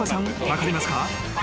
分かりますか？］